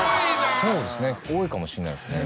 そうですね多いかもしれないですね。